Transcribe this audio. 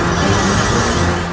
hai ada di sana